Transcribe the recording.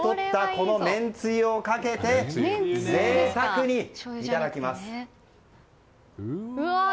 このめんつゆをかけて贅沢にいただきます！